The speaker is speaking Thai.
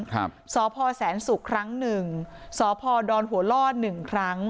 ครับสพแสนศุกร์ครั้งหนึ่งสพดหัวล่อหนึ่งครั้ง